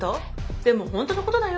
でも本当のことだよ。